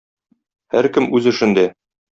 Һәркем үз эшендә.